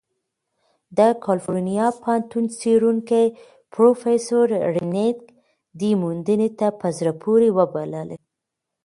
د کلیفورنیا پوهنتون څېړونکی پروفیسر رین نګ دې موندنې ته "په زړه پورې" وبللې.